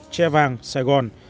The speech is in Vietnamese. tre vàng sài gòn